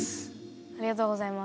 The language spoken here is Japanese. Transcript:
ありがとうございます。